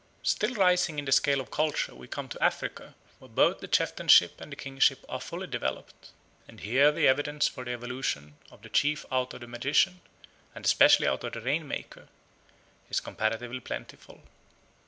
Still rising in the scale of culture we come to Africa, where both the chieftainship and the kingship are fully developed; and here the evidence for the evolution of the chief out of the magician, and especially out of the rain maker, is comparatively plentiful.